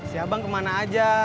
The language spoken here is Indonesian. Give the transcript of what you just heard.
siap bang kemana aja